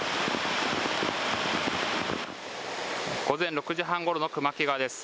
午前６時半ごろの熊木川です。